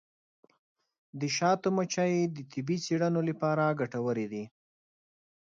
د شاتو مچۍ د طبي څیړنو لپاره ګټورې دي.